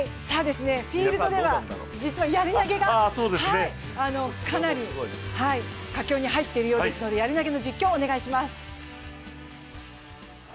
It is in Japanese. フィールドでは、実はやり投がかなり佳境に入っているようですのでやり投の実況お願いします。